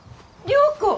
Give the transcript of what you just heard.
良子。